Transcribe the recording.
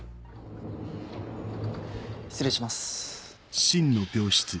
失礼します。